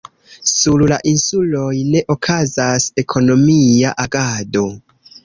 Sur la insuloj ne okazas ekonomia agado.